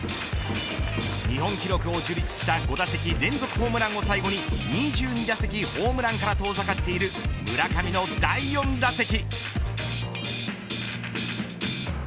日本記録を樹立した５打席連続ホームランを最後に２２打席ホームランから遠ざかっている村上の第４打席。